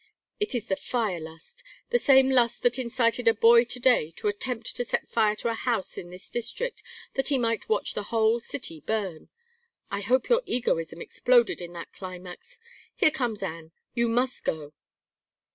It is the fire lust the same lust that incited a boy to day to attempt to set fire to a house in this district that he might watch the whole city burn. I hope your egoism exploded in that climax. Here comes Anne. You must go."